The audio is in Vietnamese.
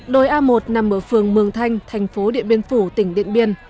đồi a một nằm ở phường mường thanh thành phố điện biên phủ tỉnh điện biên